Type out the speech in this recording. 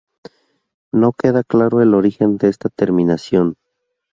No queda claro el origen de esta terminación.